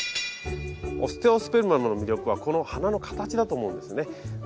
オステオスペルマムの魅力はこの花の形だと思うんですね。